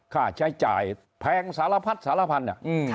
ค่าใช้จ่ายแพงสารพัดสารพันธุ์